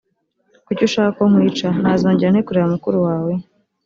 kuki ushaka ko nkwica nazongera nte kureba mukuru wawe